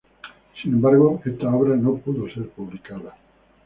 Sin embargo, esta obra no pudo ser publicada.